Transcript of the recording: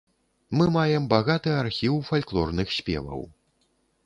Мы маем багаты архіў фальклорных спеваў.